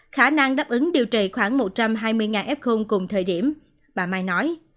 khả năng đáp ứng điều trị khoảng một trăm hai mươi f cùng thời điểm bà mai nói